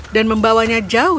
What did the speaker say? dan membawanya jauh